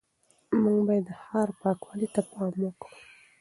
موږ باید د ښار پاکوالي ته پام وکړو